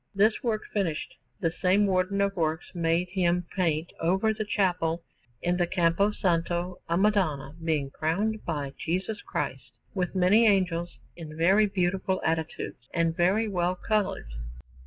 This work finished, the same Warden of Works made him paint over the chapel in the Campo Santo a Madonna being crowned by Jesus Christ, with many angels in very beautiful attitudes and very well coloured.